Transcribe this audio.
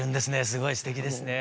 すごいすてきですね！